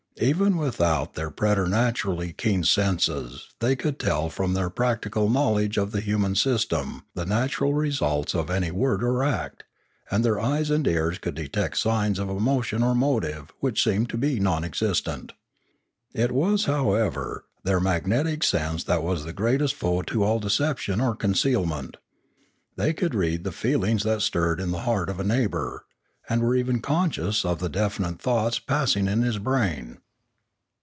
Even without their preternaturally keen senses they could tell from their practical knowledge of the human system the natural results of any word or act, and their eyes and ears could detect signs of emotion or motive which seemed to be non existent. It was, however, their magnetic sense that was the greatest foe to all deception or concealment. They could read the feelings that stirred in the heart of a neighbour, and were even conscious of the definite thoughts pass ing in his brain.